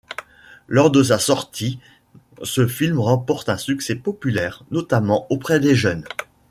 Lors de sa sortie, ce film remporte un succès populaire, notamment auprès des jeunes.